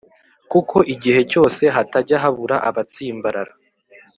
Kuko igihe cyose hatajya habura abatsimbarara